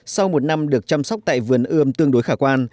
sau một năm được chăm sóc tại vườn ươm tương đối khả quan